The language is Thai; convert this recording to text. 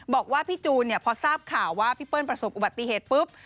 บอกว่าพี่จูนพอทราบข่าวว่าพี่เปิ้ลประสบอุบัติเหตุปุ๊บ